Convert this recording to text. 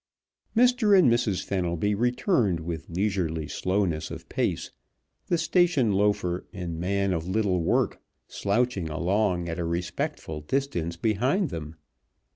Mr. and Mrs. Fenelby returned with leisurely slowness of pace, the station loafer and man of little work slouching along at a respectful distance behind them.